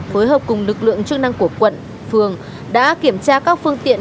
phối hợp cùng lực lượng chức năng của quận phường đã kiểm tra các phương tiện